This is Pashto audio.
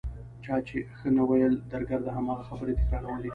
چا چې ښه نه ویل درګرده هماغه خبرې تکرارولې.